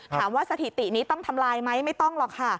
ถามว่าสถิติต้องทำลายมั้ยไม่ต้องหรอก